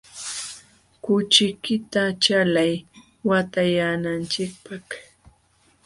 Kuchiykita chalay watyananchikpaq.